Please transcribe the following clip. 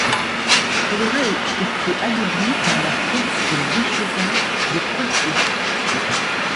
Elle aurait été anoblie par la fonction d'échevin de Poitiers.